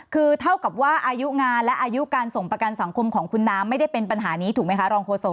คือเท่ากับว่าอายุงานและอายุการส่งประกันสังคมของคุณน้ำไม่ได้เป็นปัญหานี้ถูกไหมคะรองโฆษก